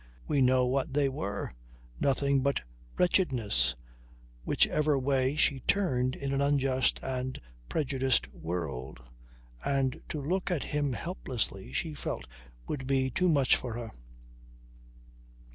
We know what they were. Nothing but wretchedness, whichever way she turned in an unjust and prejudiced world. And to look at him helplessly she felt would be too much for her.